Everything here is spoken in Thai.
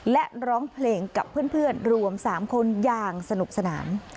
และร้องเพลงกับเพื่อนรวม๓คนอย่างสนุกสนาน